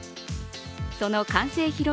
その完成披露